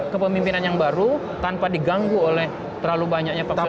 kepemimpinan yang baru tanpa diganggu oleh terlalu banyaknya pemilihan